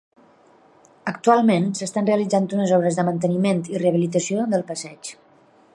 Actualment s'estan realitzant unes obres de manteniment i rehabilitació del passeig.